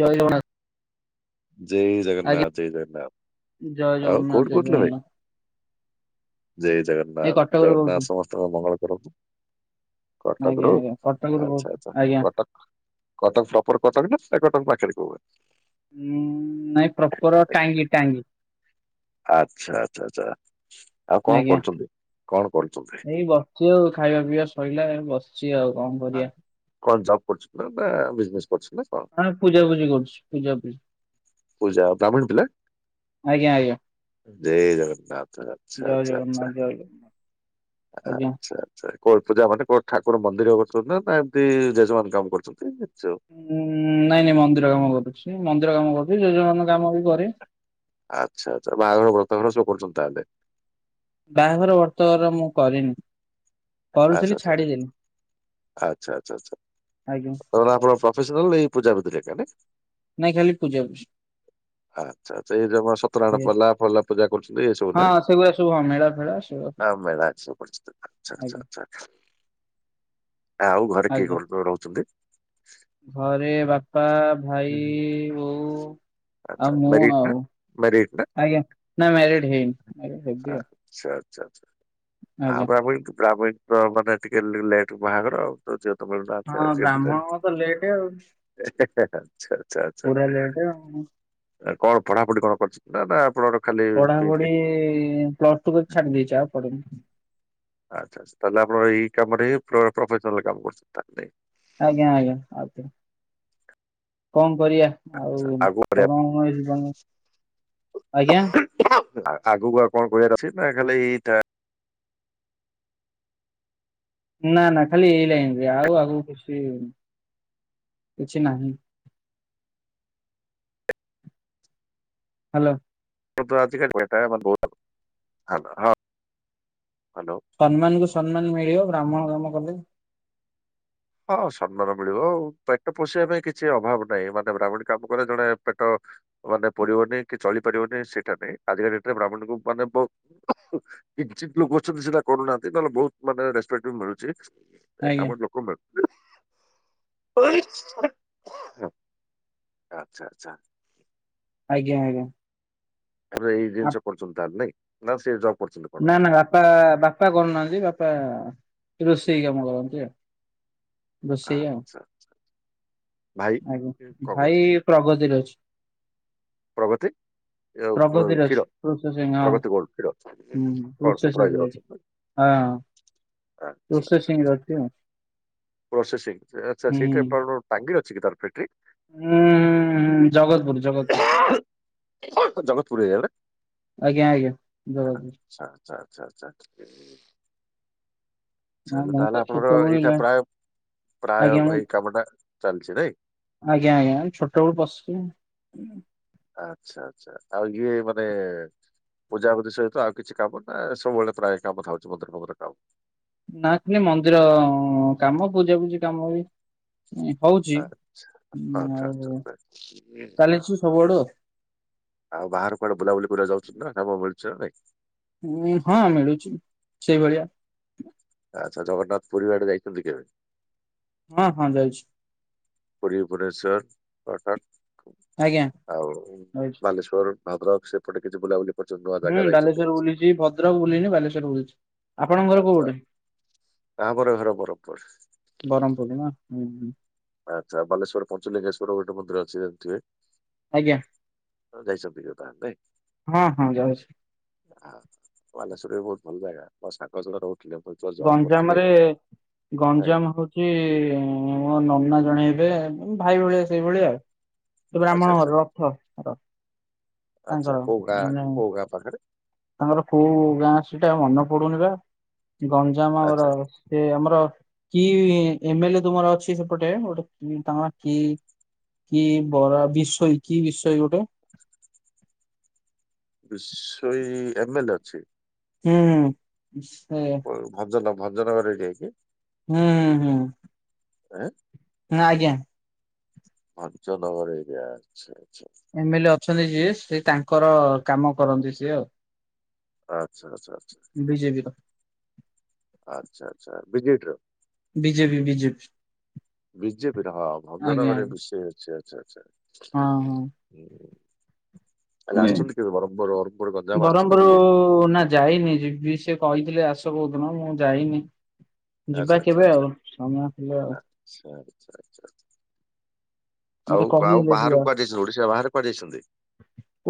ଜୟ ଜଗନ୍ନାଥ। ଜୟ ଆଜ୍ଞା ଜଗନ୍ନାଥ ଜୟ ଜଗନ୍ନାଥ ଜୟ ଆଉ ଜଗନ୍ନାଥ କୋଉଠୁ ଜୟ କହୁଥିଲେ ଭାଇ? ଜଗନ୍ନାଥ ଜୟ ଏଇ ଜଗନ୍ନାଥ କଟକରୁ କହୁଛୁ ଜଗନ୍ନାଥ ସମସ୍ତଙ୍କ ମଙ୍ଗଳ କରନ୍ତୁ। କଟକ ଆଜ୍ଞା ରୁ ଆଜ୍ଞା କଟକରୁ କହୁଛୁ ଆଚ୍ଛା ଆଚ୍ଛା ଆଜ୍ଞା। କଟକ କଟକ ପ୍ରପର କଟକ ନା, ନା କଟକ ପାଖରେ କୋଉ ଗାଁ। ଉଁ ନାଇଁ ପ୍ରପର ଟାଙ୍ଗି ଟାଙ୍ଗି। ଆଚ୍ଛା ଆଛା ଆଛା ଆଉ କଣ ଆଜ୍ଞା। କରୁଚନ୍ତି? କଣ କରୁଚନ୍ତି? ଚି ଆଉ ଖାଇବା ପିଇବା ଶଇଲା ବସିଚି ଆଉ କଣ ଆଉ କରିବା। କଣ ଜବ୍ କରୁଛନ୍ତି ନା ବା ବିଜନେସ୍ କରୁଛନ୍ତି ନା। କଣ ହଁ ପୂଜାପୂଜି କରୁଛି ପୂଜା ପୂଜି ପୂଜା ବ୍ରାହ୍ମଣୀ ପିଲା? ଆଜ୍ଞା ଆଜ୍ଞା। ଜୟ ଜଗନ୍ନାଥ ଆଛା ଜୟ ଆଛା ଆଛା ଜଗନ୍ନାଥ ଜୟ ଜଗନ୍ନାଥ ଆଜ୍ଞା। ଆଛା ଆଛା। କୋ ପୂଜା ପାଠ କରୁ ଠାକୁର ମନ୍ଦିର ରେ କରୁଚନ୍ତି ନା ଏମିତି ଯଜମାନ କାମ କରୁଚନ୍ତି ନିଚ। ଉଁ ନାଇଁ ନାଇଁ ମନ୍ଦିର କାମ କରୁଚି ମନ୍ଦିର କାମ କରୁଚି ଯଜମାନ କାମ ବି କରେ। ଆଚ୍ଛା ଆଚ୍ଛା ବାହାଘର ବ୍ରତଘର ସବୁ କରୁଛନ୍ତି ତାହେଲେ। ବାହାଘର ବ୍ରତଘର ମୁଁ କରିନି ଆଚ୍ଛା କରୁଥିଲି ଆଚ୍ଛା ଛାଡିଲିିଣି। ଆଚ୍ଛା ଆଛା ଆଛା ତ ଆପଣ ପ୍ରଫସନାଲ ଏହି ପ୍ରୂଜାବିଧି ରେ ଏକାଠେ। ନାଇଁ ଖାଲି ପୂଜା ପୂଜି। ଆଛା ଆଛା ଏଇ ସତ୍ୟନାରାୟଣ ଆଜ୍ଞା ପାଲା ପାଲା ପୂଜା କରୁଛନ୍ତି। ହଁ ସେଗୁରା ସବୁ ହଁ ମେଳା ଫେଳା ହଁ ହଁ ମେଳା ଆଜି ସବୁ ପଡିଚି ଛାଡ଼ ଆଜ୍ଞା ଛାଡ ଛାଡ ଆଉ ଘରେ କିଏ ଆଜ୍ଞା। [unintelligible] ରହୁଛନ୍ତି। ଘରେ ହୁଁ। ବାପା, ଭାଇ, ହୁଁ। ବୋଉ ଆଚ୍ଛା ଆଉ ମୁଁ ମ୍ୟାରିଡ୍ ନା ଆଉ। ମ୍ୟାରିଡ୍ ନା ଆଜ୍ଞା ନା ମ୍ୟାରେଡ ହେଇନି ହେବି ଆଉ। ଆଛା ଆଚ୍ଛା ଆଛା ଆ ଆଜ୍ଞା। [unintelligible] ମାନେ ଟିକେ ଲେଟ ରେ ବାହାଘର ଆଉ। ଆଉ ଝିଅ ତ ମିଳୁ ହଁ ନାହାଁନ୍ତି ବ୍ରାହ୍ମଣଙ୍କ ତ ଲେଟ୍ ଆଉ। [unintelligible] ଆଛା ଆଛା ଆଛା। [inaudible] କଣ ପଢାପଢି କଣ କରିଛନ୍ତି ନା ଆପଣର ପଢାପଢି ଇ ପ୍ଲସ ଟୁ କାରି ଛାଡି ଦେଇେଛି ଆଉ ପଢିନି ଆଚ୍ଛା ଆଛା ତାହେଲେ ଆପଣ ଏଇ କାମରେ ପ୍ରଫସନାଲ କାମ କରୁଛନ୍ତି ତା ହେଲେ ଆଜ୍ଞା ଆଜ୍ଞା ଆଉ କଣ, କଣ କରିବା? ଆଉ ଆଗକୁ ବଢିବା [unintelligible] ଆଜ୍ଞା ଆଗକୁ ଆଉ କଣ କହିବାର ଅଛି ନା ଖାଲି ଏଇଟା ନା ନା ଖାଲି ଏଇ ଲାଇନ ଆଉ ଆଗ କିଛି କିଛି ନାହିଁ ହାଲୋ। ଆଜିିକାେଟାହୁ ହ୍ୟାଲ ହଁ ହାଲୋ [unintelligible] ସମ୍ମାନ କୁ ସମ୍ମାନ ମିଳିବ ବ୍ରାହ୍ମଣ କାମ କଲେ। ହଁ ସମ୍ମାନ ମିଳିବ ଆଉ ପେଟ ପୋଷିବା ପାଇଁ କିଛି ଅଭାବ ନାହିଁ ମାନେ ବ୍ରାହ୍ମଣ କାମ କଲେ ଜଣେ ପେଟ ମାନେ ପଡିବନି କି ଚଳି ପାରିବନି ସେଇଟା ନାଇ ଆଜିକା ଡେରେ୍ରାହ୍ମଣଙ୍କୁ ମାନେ କିଛି ଲୋକ ଅଛନ୍ତି ସେଟା କରୁନାହାନ୍ତି ନହେଲେ ବହୁତ ମାନେରେପେକ୍ଟ ବି ମିଳୁଛି। ଏ ଆଜ୍ଞା କାମରେ ଲୋକ ମିଳୁ ଆଛା ଆଛା। ଆଜ୍ଞା ଆଜ୍ଞା। ଆ ଏଇ ଜିନିଷ କରୁଛନ୍ତି ତାହେଲେ ନାଇଁ ନା ସେ ଜବ୍ କରୁଛନ୍ତି। କଣ? ନା ନା ବାପା ବାପା କରୁନାହାନ୍ତି ବାପା ରୋଷେଇ କାମ କରନ୍ତି ଆଉ ରୋଷେଇ ଆଉ ଆଚ୍ଛା ଆଚ୍ଛା ଭାଇ ଆଜ୍ଞା କଣ କରୁଛନ୍ତି ଭାଇ ପ୍ରଗତିରେ ଅଛି ପ୍ରଗତି ପ୍ରଗତିରେ କ୍ଷୀର ଅଛି ହଁ ପ୍ରଗତି ଗୋଲ୍ଡ ଫିଡ୍ ଅଛି। ହୁଁ କଣ ପ୍ରୋସେସିଙ୍ଗ ସୁପରଭାଇଜର ଅଛନ୍ତି ହଁ ଆଚ୍ଛା ଆଚ୍ଛା ପ୍ରୋସେସିଂ ପ୍ରୋସେସିଂ ଆଚ୍ଛା ସେଇଟାଣ ଟାଙ୍ଗି ଅଛି କି ତାର ଫଟ୍ରି ହୁଁ ହୁଁ ହୁଁ ଜଗତପୁର ଜଗତପୁର। ଜଗତପୁର ଏରିଆରେ ଆଜ୍ଞା ଆଜ୍ଞା ଆଛା ଆଛା ଆଚଛା ହଁ ଆଚ୍ଛା ମୁଁ ତାହେଲେ ତ ଆପଣଙ୍କର ଛୋଟବେଳୁ ଏଇଟା ହେଲାଣି ପ୍ରାୟ ପ୍ରାୟ ଆଜ୍ଞା ମୁଁ ଏଇ କାମ ଟା ଚାଲିଛି ନାଇଁ ଆଜ୍ଞା ଆଜ୍ଞା ଛୋଟ ବେଳୁ ପଶିଛୁ। ଆଚ୍ଛା ଆଚ୍ଛା ଆଉ ଇଏ ମାନେ ପୂଜା ବୁଜିି ସହିତ ଆଉ କିଛି କାମ ନା ସବୁବେଳେ ପ୍ରାୟ କାମ ଥାଉଛି ମନ୍ଦିର ମନ୍ଦିର କାମ ନାକି ମନ୍ଦିର କାମ ପୂଜାପୂଜି କାମ ବି ହଉଛି ଆଚ୍ଛା ଆଚ୍ଛା ଆଉ ଚାଲିଛୁ ସବୁଆଡୁ ଆଉ ବାହାର କୁଡେ ବୁଲାବୁଲି କରିବା ଯାଉଛି ନା କାମ ମିଳୁ ନା ନାଇଁ ଉଁ ହଁ ମିଳୁଛି ସେଇଭଳିଆ ଆଚ୍ଛା ଜଗନ୍ନାଥ ପୁରୀ ଆଡେ ଯାଇଛନ୍ତି କେବେ? ହଁ ହଁ ଯାଇଛି। ପୁରୀ ଭୁବନେଶ୍ୱର କଟକ ଆଜ୍ଞା ଆଉ ଯାଇଛି। ବାଲେଶ୍ୱର ଭଦ୍ରକ ସେପଟେ କିଛି ବୁଲାବୁଲି କରିଛନ୍ତି ନୂଆ ହୁଁ ଜାଗା ଯାଇଛନ୍ତି ବାଲେଶ୍ୱର କିଛି? ବୁଲିଛି ଭଦ୍ରକ ବୁଲିନି ବାଲେଶ୍ୱର ବୁଲିୁଛି ଆପଣଙ୍କ ଘର କୋଉ ଆଚ୍ଛା ପଟେ? ଆମର ଘର କୋରାପୁଟ ରେ। ବ୍ରହ୍ମପୁର ନା ହୁଁ ହୁଁ। ଆଚ୍ଛା ବାଲେଶ୍ୱର ପଞ୍ଚଲିଙ୍ଗେଶ୍ଵର ଗୋଟେ ମନ୍ଦିର ଅଛି ଜାଣିଥିବେ। ଆଜ୍ଞା ଯାଇଛନ୍ତି କେବେ ନା ନାହିଁ। ହଁ ହଁ ଯାଇଛି। ଆ ବାଲେଶ୍ଵରରେ ବି ବହୁତ୍ ଭଲ ଜାଗା ମୋ ସାଙ୍ଗ ସବୁ ରହୁଥିଲେ। ଯେତେବେଳେ ଜବ୍ ଗଞ୍ଜାମ କରୁଥିଲି ରେ ଆଜ୍ଞା ଗଞ୍ଜାମ ହଉ କି ମୋ ନନା ଜଣେ ହେବେ ଭାଇ ଭଳିଆ ସେଇଭଳିଆ ଆଉ। ସେ ଆଚ୍ଛା ବ୍ରାହ୍ମଣ ଆଚ୍ଛା। ଘରର ରଥ ର ତାଙ୍କର ପାଖେରେ। ତାଙ୍କର କୋଉ ଗାଁଆ ସେଟା ମନେ ପଡୁନି ବା ଗଞ୍ଜାମ୍ ଆମର ଆଚ୍ଛା ସେ ଆମର କି ଏମେଲେ ତୁମର ଅଛି ସେପଟେ ଗୋଟେ [unintelligible] ତାଙ୍କ କି କି [unintelligible] ବିଶୋଇ କି ବିଶୋଇ ଗୋଟେ? ବିଶୋଇ ଏମେଲେ ଅଛି? ହୁଁ ହୁଁ ସେ ଭଞ୍ଜନ ଭଞ୍ଜନଗର ରେଡି ହେଇକି। ହୁଁ ହୁଁ ହୁଁ। ଆଁ। ନା ଆଜ୍ଞା। ଭଞ୍ଜନଗର ଏରିଆ ଆଚ୍ଛା ଆଚ୍ଛା। ଏମେଲେ ଅଛନ୍ତି ଯିଏ ସେ ତାଙ୍କର କାମ କରନ୍ତି ସିଏ ଆଉ। ଆଚ୍ଛା ଆଚ୍ଛା ଆଚ୍ଛା। ବିଜେବିର। ଆଚ୍ଛା ଆଚ୍ଛା ବିଜେଡ଼ିର? ବିଜେପି ବିଜେପି ବିଜେପିର ହଁ ଆଜ୍ଞା ଭଞ୍ଜନଗରରେ ଆଜ୍ଞା ବିଶୋଇ ଅଛି ଆଛା ଆଛା। ହଁ ହଁ। ତାଲେ ଆସିଛନ୍ତି କେବେ ବ୍ରହ୍ମପୁର ବ୍ରହ୍ମପୁର ଗଞ୍ଜାମ ଆସଛନ୍ତି ବୁଲି? ହୋ ନା ଯାଇନି ଯିବି ସେ କହିଥିଲେ ଆସ କୋଉଦିନ ମୁଁ ଯାଇନି। ଯିବା ଆଚ୍ଛା ଆଚ୍ଛା କେବେ ଆଚ୍ଛା ଆଉ ସମୟ ହେଲେ ଆଉ। ଆଚ୍ଛା ଆଚ୍ଛା ଆଚ୍ଛା। ଆଉ ମତେ ଆଉ କହିଦେଲେ ଯିବା। ବାହାରକୁ କୁଆଡେ ଯାଇଛନ୍ତି ଓଡିଶା ବାହାରେ କୁଆଡେ ଯାଇଚନ୍ତି?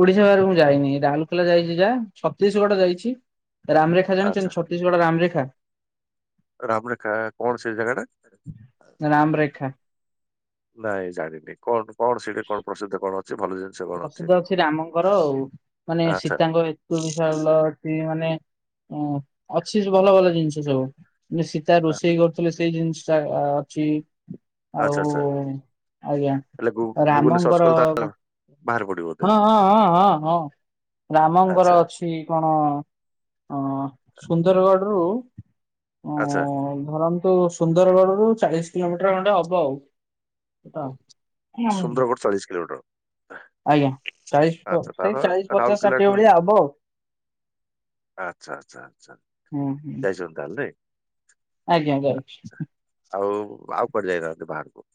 ଓଡିଶା ବାହାରକୁ ମୁଁ ଯାଇନି ରାଉରକେଲା ଯାଇଚି ଯାହା ଛତିଶଗଡ ଯାଇଚି ରାମରେ [unintelligible] ଆଚ୍ଛା ଜାଣିଛନ୍ତି ଛତିଶଗଡ ରାମ୍ ରେଖା? ରାମ୍ ରେଖା କଣ ସେ ଜାଗା ଟା? ରାମ୍ ରେଖା। ନାଇଁ ଜାଣିନି କଣ କଣ ସେଇଠି କଣ ପ୍ରସିଦ୍ଧ କଣ ଅଛି ଭଲ ଜା ପ୍ରସିଦ୍ଧ ଅଛି ରାମଙ୍କର ଆଉ ମାନେ ଆଚ୍ଛା ସୀତାଙ୍କ ଏନ୍ତୁଡିଶାଳ ସେ ମାନେ ଅ ଅଛି ଭଲ ଭଲ ଜିନଷ ସବୁ ସୀତା ରୋଷେଇ କରୁଥିଲେ ସେ କେତେ ଜିନିଷ ଅ ଅଛି। ଆଉ ଆଚ୍ଛା ଆଚ୍ଛା ଆଜ୍ଞା ହେଲେ ଗୁ ଗୁଗୁଲରେ ସର୍ଚ୍ଚ ରାମଙ୍କର କଲେ ତା [unintelligible] ହଁ ହଁ ହଁ ହଁ ହଁ ରାମଙ୍କର ଆଚ୍ଛା ଅଛି ସେଠି କଣ ଅ ସୁନ୍ଦରଗଡରୁୁ ଆଚ୍ଛା। ହଁ ଧରନ୍ତୁ ସୁନ୍ଦରଗଡ଼ରୁ ଚାଳିଶ କିଲୋମିଟର ଖଣ୍ଡେ ହବ ଆଉ। [unintelligible] ସୁନ୍ଦରଗଡ଼ ଚାଳିଶ କିଲୋମିଟର? ଆଜ୍ଞା ଚାଳିଶ ପ ଆଚ୍ଛା ତାର ସେଇ ଚାଳିଶ, ପଚାଶ, ଷାଠିଏ ରାଉରକେଲାଠୁ ଭଳିଆ ହବ ଆଉ। ଆଚ୍ଛା ଆଚ୍ଛା ଆଚ୍ଛା। ହୁଁ ହୁଁ। ତାଲେ। ଆଜ୍ଞା ଯାଉଚି। ଆଉ ଆଉ କୁଆଡେ ଯାଇନାହାନ୍ତି ବାହାରକୁ?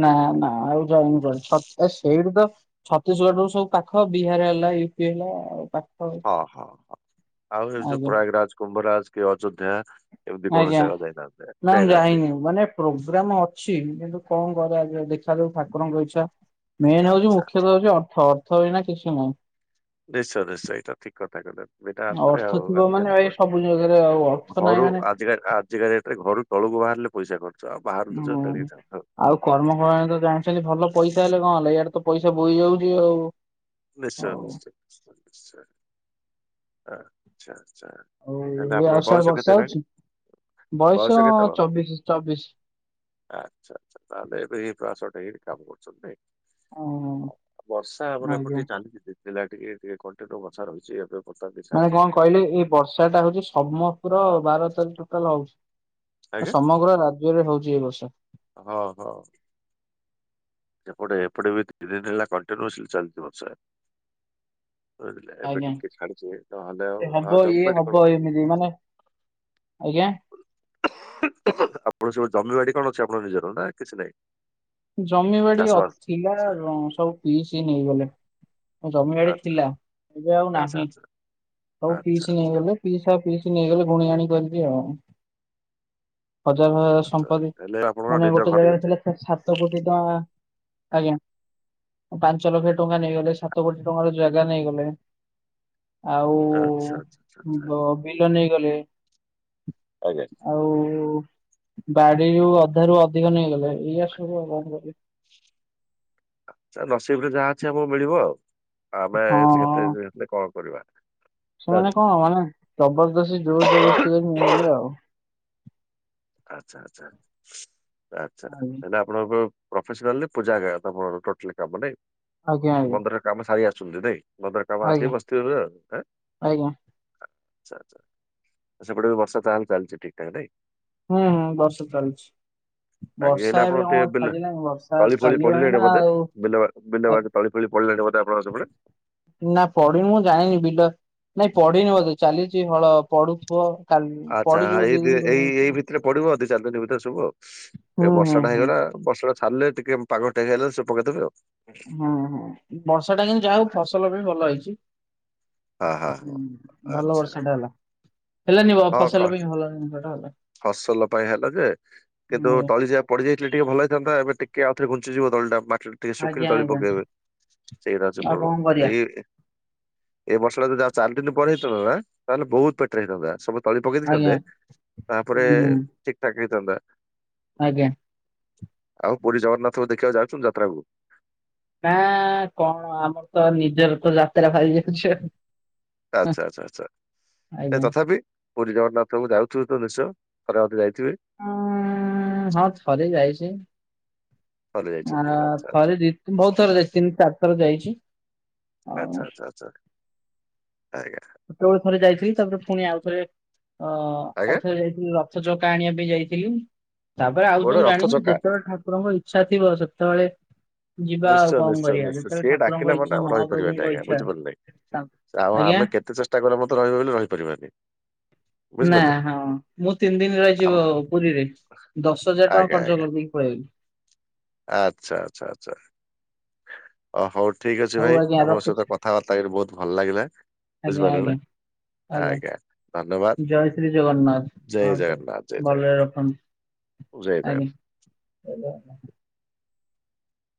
ନା ନା ଆଉ ଯାଉନି କୁଆଡେ ଛ ଆ ସେଇଠୁ ତ ଛତିଶଗଡରୁ ସବୁ ପାଖ ବିହାର ହେଲା ୟୁପି ହେଲା ଆଉ ପାଖ ଓହୋ ହ ଆଉ ଏଉ ଯଉ ଆଜ୍ଞା ପ୍ରୟାଗ ରାଜ୍ କୁମ୍ଭରାଜ୍ କି ଅଯୋଧ୍ୟା ଏମିତି କୌଣସି ଆଜ୍ଞା ଜାଗାକୁ ଯାଇନାହାନ୍ତି ନା ମୁଁ ଯାଇନାହାନ୍ତି? ଯାଇନି ମାନେ ପ୍ରୋଗ୍ରାମ ଅଛି କିନ୍ତୁ କଣ କରିଆ ଦେଖାଯାଉ ଠାକୁରଙ୍କ ଇଚ୍ଛା। ମେନ ହଉଛି ଆଚ୍ଛା ମୁଖ୍ୟତଃ ହଉଛି ଅର୍ଥ ଅର୍ଥ ବିନା କିଛି ନାହିଁ। ନିଶ୍ଚୟ ନିଶ୍ଚୟ ଏଇଟା ଠିକ୍ କଥା କହିଲେ ଆ ଏଟା ଅର୍ଥରେ ଅର୍ଥ ଆଉ ଥିବ ମାନେ ଆଜିକାଲି ଭାଇ ସବୁ ଜାଗାରେ ଆଉ ଅର୍ଥ କଆଡେ ନାହିଁ ଘରୁ ମାନେ ଆଜିକାଲି ଆ ଯେଗାହେତୁ ଘରୁ ତଳକୁ ବାହାରିଲେ ପଇସା ଖର୍ଚ୍ଚ ଆଉ ବାହାରକୁ ହଁ [unintelligible] ଦା ଦା। ସେମିତି ଭଲ ପଇସା ହେଲେ କଣ ହେଲା ଇଆଡେ ତ ପଇସା ବୋହି ଯାଉଛି ଆଉ। ନିଶ୍ଚୟ ଆଉ ନିଶ୍ଚୟ ନିଶ୍ଚୟ ନିଶ୍ଚୟ ଆଚ୍ଛା ଆଚ୍ଛା। ଆଉ ହେଲେ ଏଇଭଳିଆ ଆଉ ଆପଣଙ୍କ ସିଆଡେ ବୟଷ ବର୍ଷା କେତେ ହେଲାଣୀ? ହଉଛି ବୟସ ଚବିଶି ଚବିଶି। ଆଚ୍ଛା ଆଚ୍ଛା ତାହେଲେ ଏବେ ଏଇ ପ୍ରୟାସ ଟେଇ କାମ କରୁଛନ୍ତି ନାଇଁ? ଓ ବର୍ଷା ଏପଟେ ଆଜ୍ଞା କାଲି କି ଦିଦିଲା ଟିକେ ଟିକେ କଣ୍ଟେନୁ ବର୍ଷା ରହିଛି ଏବେ ବ ମାନେ କଣ କହିଲି ଏଇ ବର୍ଷା ଟା ହଉଛି ସମ ପୁର ବାର ତାରିଖ ଟୋଟାଲ ହଉଛି। ଆଜ୍ଞା ସମଗ୍ର ରାଜ୍ୟରେ ହଉଛି ଏ ବର୍ଷ। ହଉ ହଉ। ସେପଟେ ଏପଟେ ବି ତି ଦିନ ହେଲା କଣ୍ଟିନ୍ୟୁ ଲି ଚାଲିଛି ବର୍ଷା। ବୁଝିଲେ ଏବେ ଆଜ୍ଞା। ଟିକେ ଛାଡିଛି ନହେଲେ ଏ ଆଉ ହବ ଆଉ ଜମି ଇଏ ବାଡ଼ି ହବ କଣ ଅଛି? ଏମିତି ମାନେ ଆଜ୍ଞା? ଆପଣ ସୁବୁ ଜମିବାଡି କଣ ଅଛି ଆପଣଙ୍କ ନିଜର ନା କିଛି ନାହିଁ? ଜମିବାଡି ଅ ଚାଷବାସ? ଥିଲା ବ ସବୁ ପିଇସି ନେଇଗଲେ। ଜମିିବାଡି ଆଚ୍ଛା ଥିଲା ଏବେ ଆଉ ଆଚ୍ଛା ନାହିଁ ଆଚ୍ଛା ସବୁ ଆଚ୍ଛା ପିଇସି ଆଚ୍ଛା। ନେଇଗଲେ। ପିଇସା ପିଇସି ନେଇଗଲେ ଗୁଣି ଆଣି କରିବି ଆଉ। ହଜାର ହଜାର ଆଚ୍ଛା ସମ୍ପତି ହେଲେ ଆପଣଙ୍କ ମାନେ ନିଜ ଗୋଟେ ଘରେ ଜାଗାରେ ଅଛି ଥିଲା ତ ସାତ ତ କୋଟି ଟଙ୍କା ଆଜ୍ଞା। ପାଞ୍ଚ ଲକ୍ଷ ଟଙ୍କା ନେଇଗଲେ ସାତ କୋଟି ଟଙ୍କାର ଜାଗା ନେଇଗଲେ। ଆଉ ଆଚ୍ଛା ଆଚ୍ଛା ଆଚ୍ଛା ଆଚ୍ଛା ବ ବିଲ ନେଇଗଲେ। ଆଜ୍ଞା। ଆଉ ବାଡିରୁ ଅଧାରୁୁ ଅଧିକ ନେଇଗଲେ ଏଇଆ ସବୁ ଆଉ କଣ କରିବି। ଆଚ୍ଛା ନସିିବି ରେ ଯାହା ଅଛି ଆମକୁ ମିଳିବ ଆମେ ଛି ହଁ। କେତେ କଣ କରିବା। ସେମାନେ ତାହେଲେ। କଣ ମାନେ ଜବରଦସ୍ତି ଜୋର ଜବରସ୍ତିକରି ନେଇଗଲେ ଆଉ। ଆଚ୍ଛା ଆଚ୍ଛା ଆଚ୍ଛା ତାହେଲେ ଆପ ଆପଣ ପ ପ୍ରଫେସନାଲି ପୂଜା ଗାଁ କଥା ମୋ ଟୋଟାଲି କାମ ନାଇଁ ଆଜ୍ଞା ଆଜ୍ଞା ମନ୍ଦିର କାମ ସାରି ଆସୁଛନ୍ତି ନାଇଁ ମନ୍ଧିର କାମ ଆସି ଆଜ୍ଞା ବସି ଥିବେ ବୋଲି ଆଁ? ଆଜ୍ଞା ଆଚ୍ଛା ଆଚ୍ଛା ସେପଟେ ବର୍ଷା ତାହେଲେ ଚାଲିଛି ଠିକ୍ ଠାକ ନାଇଁ? ହୁଁ ହୁଁ ବର୍ଷା ଚାଲିଛି। ଆଗେଇ ହେଲେ ବର୍ଷା ଆପଣ ଏବେ କଣ ଟିକେ ବିଲ ଛାଡିଲାଣିି ବର୍ଷା ତଳି ଫଳି ଚାଲିବ ପଡିଲେଣି ଏଇନା ବୋଧେ? ଆଉ। ବିଲ ବା- ବିଲ ବାଡ଼ି ତଳି ଫଳି ପଡିଲାଣି ବୋଧେ ଆପଣଙ୍କ ସେପଟେ? ନା ପଢିନି ମୁଁ ଜାଣିନି ବିଲ ନାଇଁ ପଢିନି ବୋଧେ ଚାଲିଛି ହଳ ପଢୁଥିବ। କାଲି ପଡିିଯିବ ଦି ଦିନ ତିନି ଦିନ ଭିତରେ। ଏଥର ପଡିବ ଦି ଚାରି ଦିନ ଭିତରେ ସବୁ ଆଉ ହୁଁ ଏ ହୁଁ ବର୍ଷାଟା ହୁଁ ହେଇଗଲା। ବର୍ଷା ଟା ଛାଡିଲେ ଟିକେ ପାଗଟା ଇଏ ହେଲେ ସବୁ ପକେଇଦେବେ ଆଉ। ହୁଁ ହୁଁ ବର୍ଷା ଟା କିନ୍ତୁ ଯାହା ହଉ ଫସଲ ବି ଭଲ ହେଇଛି। ଆଉ ହଁ ହଁ ହୁଁ ହଁ। ଭଲ ଆଚ୍ଛା ବର୍ଷା ଟା ହେଲା ହେଲାନି ହଁ କ ଫସଲ ପାଇଁ ଭଲ ହେଲାନି। ଫସଲ ପାଇଁ ହେଲ ଯେ କିନ୍ତୁ ତଳି ଯଆ ପଡ଼ିଯାଇଥିଲେ ଟିକେ ଭଲ ହୋଇଥାନ୍ତା ଏବେ ଟିକେ ଆଉଥରେ ଘୁଞ୍ଚିିଜିବ ତଲିଟା ମାଟି ଟିକେ ଶୁଖିଲି ଆଜ୍ଞା ତଳି ଆଜ୍ଞା ପକେଇବେ ସେଇଟା ହୋଉଛି ଆଉ ଭଲ। କଣ କରିବା ଏ ବର୍ଷାଟା ଯଦି ଆଉ ଚାରିଦିନ ପରେହେଇଥାନ୍ତା ନା ତାହେଲେ ବହୁତ ବେଟରେ ହେଇଥାନ୍ତା ସବୁ ତଳି ପକେଇ ଦେଇଥାନ୍ତେ। ଆଜ୍ଞା ତାପରେ ହୁଁ ଠିକଠାକ୍ ହେଇଥାନ୍ତା। ଆଜ୍ଞା ଆଉ ପୁରୀ ଜଗନ୍ନାଥଙ୍କୁ ଦେଖିବାକୁ ଯାଉଛନ୍ତୀ ଯାତ୍ରାକୁ? ନା କଣ ଆମର ତ ନିଜର ତ ଯାତ୍ରା ବାହାରି ଯାଉଛି ଆଉ। ହଁ ଆଚ୍ଛା ଆଚ୍ଛା ଆଛା ନାଇ ଆଜ୍ଞା। ତଥାପି। ପୁରୀ ଜଗନ୍ନାଥକୁ ଯାଉଥିବେ ତ ନିଶ୍ଚୟ ଥରେ ଅଧେ ଯାଇଥିବେ। ଅଂହ ହଁ ଥରେ ଯାଇଛି। ଥରେ ଆ ଯାଇଛନ୍ତି ଆଚ୍ଛା ଆଚ୍ଛା। ଥରେ ଦି ବହୁତ ଥର ଯାଇଛି ତିନି ଚାରି ଥର ଯାଇଛି। ଆଉ ଆଚ୍ଛା ଆଚ୍ଛା ଆଚ୍ଛା ଆଜ୍ଞା। ଛୋଟବେଳେ ଥରେ ଯାଇଥିଲି ତାପରେ ପୁଣି ଆଉଥରେ ଅ ଆଜ୍ଞା ଆଉଥରେ ଯାଇଥିଲି ର ରଥ ଚକା ଆଣିବା ପାଇଁ ଯାଇଥିଲି ତାପରେ ଆଉ ଗୋଟେ ସବୁ ରଥ ଜାଣିନି ଚକା ଯେତେବେଳେ ଠାକୁରଙ୍କ ଇ ଇଛା ଥିବ ସେତେବେଳେ ଯିବା ଆଉ ନିଶ୍ଚୟ କଣ ନିଶ୍ଚୟ କରିବା ନିଶ୍ଚୟ ଯେତେବେଳେ ସିଏ ଡାକିଲା ଠାକୁରଙ୍କ ଇଚ୍ଛା ମହାପ୍ରଭୁଙ୍କ ଇଚ୍ଛା ତାଙ୍କ- କାରଣ ଆଜ୍ଞା। ଆମେ କେତେ ଚେଷ୍ଟା କଲେ ମତେ ରହିବେ ବୋଲି ରହିପାରିବାନି। ନା ବୁଝିପାରିଲେ। ହଁ ମୁଁ ତିନି ଦିନ ରହିଛି ଆମ ପୁରୀରେ ଦଶ ହଜାର ଟଙ୍କା ଆଜ୍ଞା ଖର୍ଚ୍ଚ ଆଜ୍ଞା କରିଦେଇକି ପଲେଇ ଆଇଲି। ଆଚ୍ଛା ଆଚ୍ଛା ଆଛା। ଅ ହଉ ଠିକ ଅଛି ହଉ ଭାଇ ଆଜ୍ଞା ଆପଣଙ୍କ ରଖୁଛି ସହିତ କଥାବାର୍ତ୍ତା କରିି ବହୁତ ଭଲ ଲାଗିଲା ଆଜ୍ଞା ବୁଝିପାରିଲ ଆଜ୍ଞା ନା। ଆଜ୍ଞା ଧନ୍ୟବାଦ ଜୟ ଶ୍ରୀ ଜଗନ୍ନାଥ। ଜୟ ହଁ ଜଗନ୍ନାଥ ଜୟ ଭଲରେ ଜଗନ୍ନାଥ। ରଖନ୍ତୁ ଜୟ ଜଗନ୍ନାଥ। ଆଜ୍ଞା [inaudible]